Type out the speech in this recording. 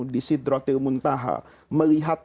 di sidratil muntaha melihat